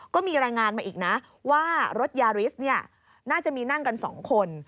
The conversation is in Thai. ก็มีรายงานมาอีกนะว่ารถยาริสเนี่ยน่าจะมีนั่งกัน๒คน